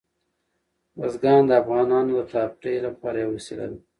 بزګان د افغانانو د تفریح لپاره یوه وسیله ده.